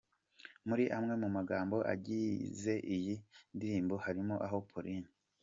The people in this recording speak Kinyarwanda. Muri amwe mu magambo agize iyi ndirimbo hari aho Paulin.